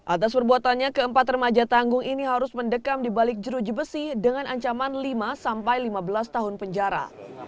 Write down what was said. atas perbuatannya keempat remaja tanggung ini harus mendekam di balik jeruji besi dengan ancaman lima sampai lima belas tahun penjara